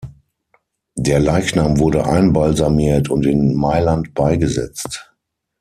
Der Leichnam wurde einbalsamiert und in Mailand beigesetzt.